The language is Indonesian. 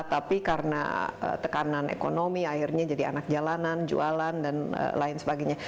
tapi karena tekanan ekonomi akhirnya jadi anak jalanan jualan dan lain sebagainya